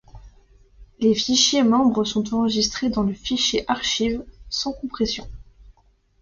Les fichiers membres sont enregistrées dans le fichier archive, sans compression.